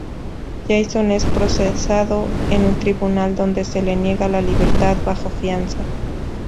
Jason es procesado en un tribunal donde se le niega la libertad bajo fianza.